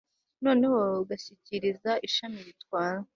noneho, ugashyikiriza ishami ritwara